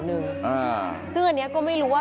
เมื่อวานหลังจากโพดำก็ไม่ได้ออกไปไหน